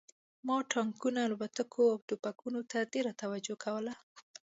ما ټانکونو الوتکو او ټوپکونو ته ډېره توجه کوله